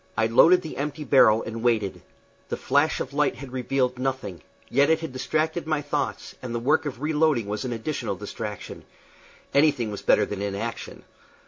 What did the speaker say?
I loaded the empty barrel and waited. The flash of light had revealed nothing, yet it had distracted my thoughts, and the work of reloading was an additional distraction. Anything was better than inaction.